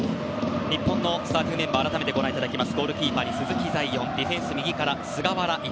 日本のスターティングメンバー改めてご覧いただきます。